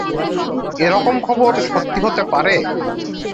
এ-রকম খবর সত্যি হতে পারে?